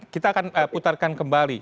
kita akan putarkan kembali